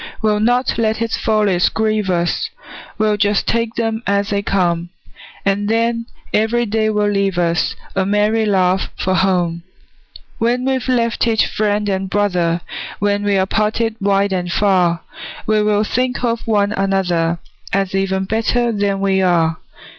We'll not let its follies grieve us, We'll just take them as they come; And then every day will leave us A merry laugh for home. When we've left each friend and brother, When we're parted wide and far, We will think of one another, As even better than we are.